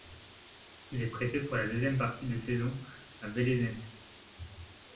Il est prêté pour la deuxième partie de saison à Belenenses.